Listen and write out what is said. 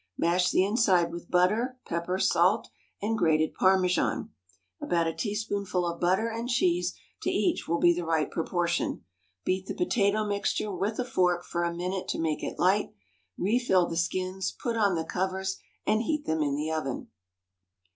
Mash the inside with butter, pepper, salt, and grated Parmesan; about a teaspoonful of butter and cheese to each will be the right proportion. Beat the potato mixture with a fork for a minute to make it light, refill the skins, put on the covers, and heat them in the oven.